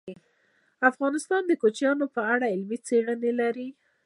افغانستان د کوچیانو په اړه علمي څېړنې لري.